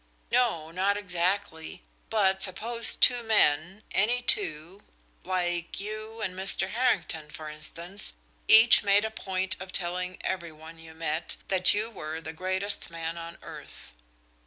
"No, not exactly. But suppose two men, any two, like you and Mr. Harrington for instance, each made a point of telling every one you met that you were the greatest man on earth."